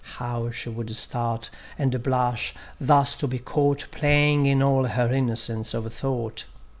How she would start, and blush, thus to be caught Playing in all her innocence of thought.